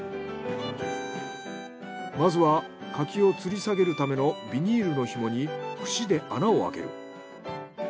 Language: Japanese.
まずは柿をつり下げるためのビニールの紐に串で穴をあける。